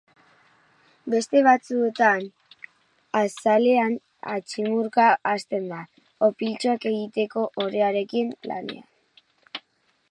Beste batzuetan azalean atximurka hasten da, opiltxoak egiteko orearekin lanean.